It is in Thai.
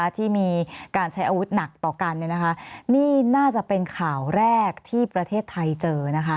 ที่มีการใช้อาวุธหนักต่อกันนี่น่าจะเป็นข่าวแรกที่ประเทศไทยเจอ